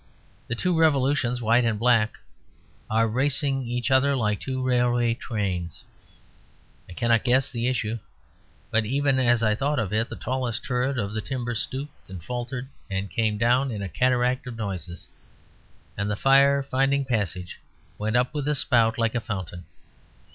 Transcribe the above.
The two revolutions, white and black, are racing each other like two railway trains; I cannot guess the issue...but even as I thought of it, the tallest turret of the timber stooped and faltered and came down in a cataract of noises. And the fire, finding passage, went up with a spout like a fountain.